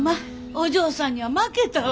お嬢さんには負けたわ。